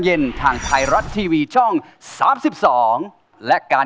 ร้องข้ามรุ่นได้เลย